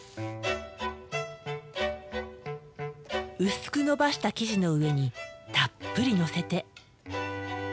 薄くのばした生地の上にたっぷりのせて。